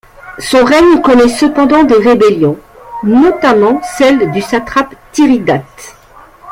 Son règne connaît cependant des rébellions, notamment celle du satrape Tiridate.